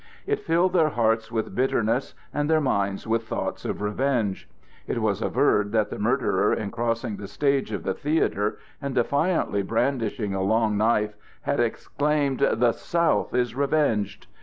It filled their hearts with bitterness and their minds with thoughts of revenge. It was averred that the murderer in crossing the stage of the theatre and defiantly brandishing a long knife had exclaimed: "The South is avenged!"